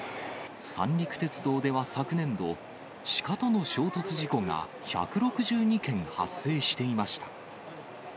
三陸鉄道では昨年度、シカとの衝突事故が１６２件発生していました。